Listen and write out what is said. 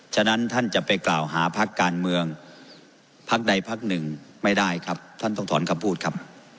ฉะนั้นท่านจะไปกล่าวหาพักการเมืองพักใดพักหนึ่งไม่ได้ครับท่านต้องถอนคำพูดครับ